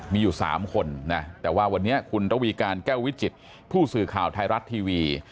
มีอยู่๓คนนะแต่ว่าวันนี้คุณระวีการแก้ววิจิตผู้สื่อข่าวไทยรัฐทีวี